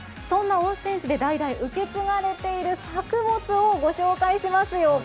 そんな温泉地で代々受け継がれている作物を御紹介しますよ。